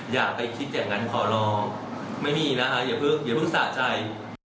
อยากไปคิดอย่างงั้นขอร้องไม่มีนะคะอย่าเพิ่งอย่าเพิ่งสะใจ